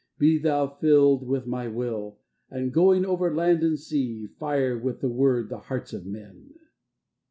Be thou filled with my will, And going over land and sea Fire with the word the hearts of men!